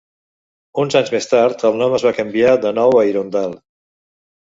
Uns anys més tard, el nom es va canviar de nou a Irondale.